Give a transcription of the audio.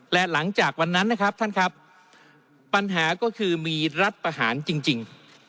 และหลังจากวันนั้นนะครับท่านครับปัญหาก็คือมีรัฐประหารจริง